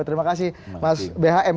terima kasih mas bhm